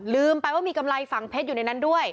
ลืมไปว่ามีกำไรฝั่งเพชรอยู่ในนั้นด้วย